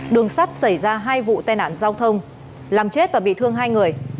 đường sắt xảy ra hai vụ tai nạn giao thông làm chết và bị thương hai người